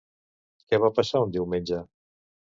Què va passar un diumenge?